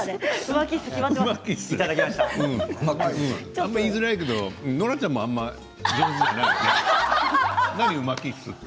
あまり言いづらいけどノラちゃんもあまり上手じゃないよねコメント。